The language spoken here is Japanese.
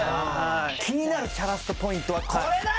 気になるチャラッソポイントはこれだ！